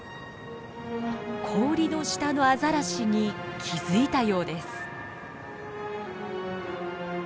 氷の下のアザラシに気付いたようです。